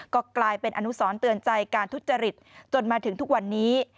ก็กลายเป็นอนุสรเตือนใจการทุจริตจนมาถึงทุกวันนี้